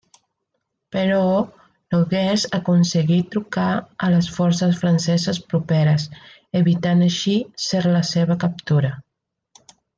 Però Nogués aconseguí trucar a les forces franceses properes, evitant així ser la seva captura.